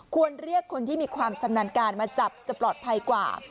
ควรเรียกคนที่มีความชำนาญการมาจับจะปลอดภัยกว่า